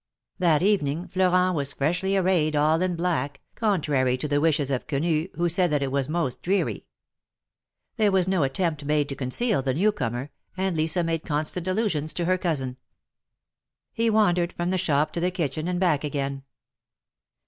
That evening Florent was freshly arrayed all in black, contrary to the wishes of Quenu, who said that it was most dreary. There w^as no attempt made to conceal the new comer, and Lisa made constant allusions to her cousin. He wandered from the shop to the kitchen and back again.